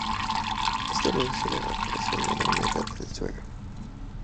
Esto reduce la evaporación de la humedad del suelo.